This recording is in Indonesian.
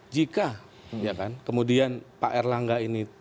jika ya kan kemudian pak erlangga ini